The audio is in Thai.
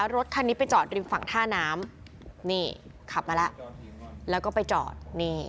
รถคันนี้ไปจอดริมฝั่งท่าน้ำนี่ขับมาแล้วแล้วก็ไปจอดนี่